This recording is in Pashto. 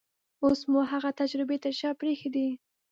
اوس مو هغه تجربې تر شا پرېښې دي.